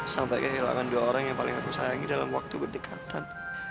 sampai kehilangan dua orang yang paling aku sayangi dalam waktu berdekatan